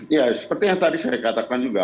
ya seperti yang tadi saya katakan juga